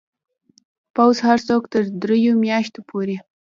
پوځ هر څوک تر دریو میاشتو پورې